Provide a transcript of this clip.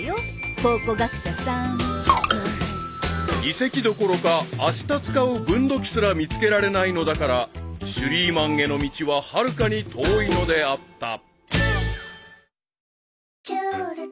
［遺跡どころかあした使う分度器すら見つけられないのだからシュリーマンへの道ははるかに遠いのであった］